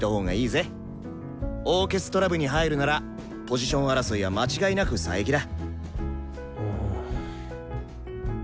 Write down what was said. オーケストラ部に入るならポジション争いは間違いなく佐伯だ。